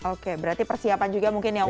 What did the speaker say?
oke berarti persiapan juga mungkin ya